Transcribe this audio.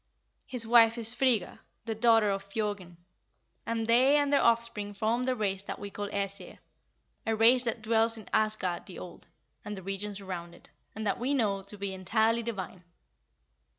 His wife is Frigga, the daughter of Fjorgyn, and they and their offspring form the race that we call Æsir, a race that dwells in Asgard the old, and the regions around it, and that we know to be entirely divine.